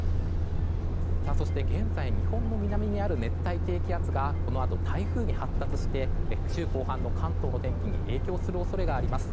そして現在、日本の南にある熱帯低気圧がこのあと台風に発達して週後半の関東の天気に影響する恐れがあります。